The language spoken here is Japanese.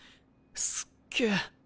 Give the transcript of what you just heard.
すっげぇ！